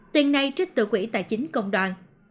tiền này trích từ quỹ tài chính công đoàn